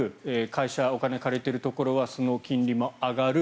会社、お金を借りているところはその金利も上がる。